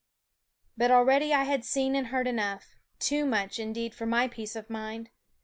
But already I had seen and heard enough ; too much, indeed, for my peace of mind.